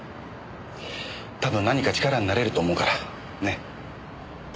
多分何か力になれると思うから。ね。